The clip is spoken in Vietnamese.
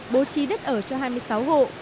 bố trí đất ở cho hai mươi sáu hộ